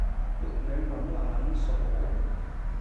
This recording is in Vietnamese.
Đụng đến hắn là hắn xổ hỗn